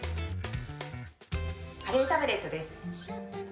カレータブレットです。